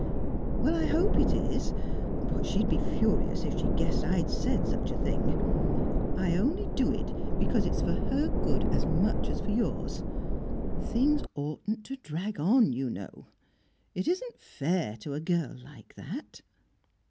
"Well, I hope it is. But she'd be furious if she guessed I'd said such a thing. I only do it because it's for her good as much as yours. Things oughtn't to drag on, you know; it isn't fair to a girl like that."